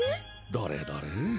どれどれ？